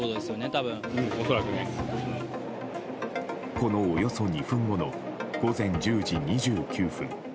このおよそ２分後の午前１０時２９分。